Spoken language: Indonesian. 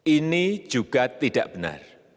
ini juga tidak benar